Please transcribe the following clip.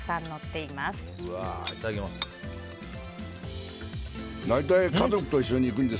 いただきます。